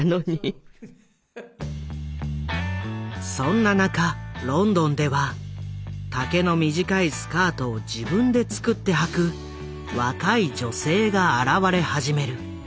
そんな中ロンドンでは丈の短いスカートを自分で作ってはく若い女性が現れ始める。